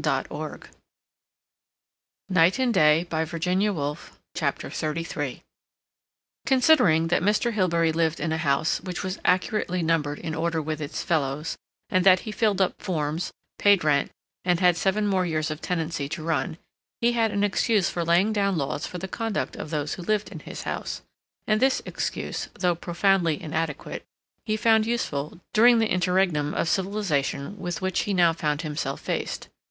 A note of hollowness was in his voice as he read. CHAPTER XXXIII Considering that Mr. Hilbery lived in a house which was accurately numbered in order with its fellows, and that he filled up forms, paid rent, and had seven more years of tenancy to run, he had an excuse for laying down laws for the conduct of those who lived in his house, and this excuse, though profoundly inadequate, he found useful during the interregnum of civilization with which he now found himself faced.